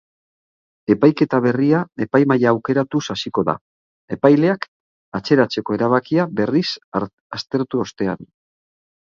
Epaiketa berria epaimahaia aukeratuz hasiko da, epaileak atzeratzeko erabakia berriz aztertu ostean.